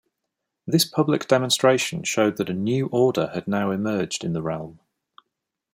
This public demonstration showed that a new order had now emerged in the realm.